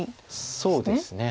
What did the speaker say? そうですね。